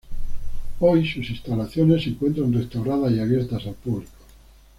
Hoy sus instalaciones se encuentran restauradas y abiertas al público.